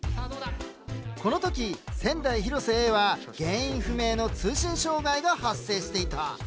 この時仙台広瀬Ａは原因不明の通信障害が発生していた。